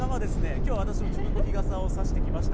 きょう私、自分の日傘を差してきました。